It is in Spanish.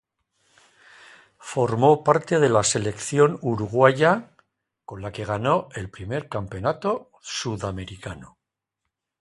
Formó parte de la selección uruguaya, con la que ganó el primer Campeonato Sudamericano.